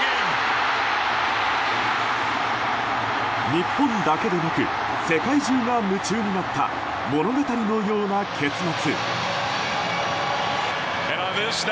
日本だけでなく世界中が夢中になった物語のような結末。